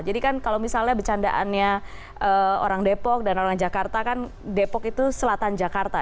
jadi kan kalau misalnya becandaannya orang depok dan orang jakarta kan depok itu selatan jakarta